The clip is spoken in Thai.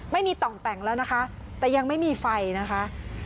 ไม่มีต่องแต่งแล้วนะคะแต่ยังไม่มีไฟนะคะ